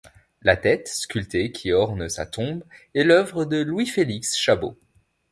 La tête sculptée qui orne sa tombe est l’œuvre de Louis-Félix Chabaud.